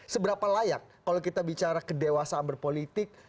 seberapa layak kalau kita bicara kedewasaan berpolitik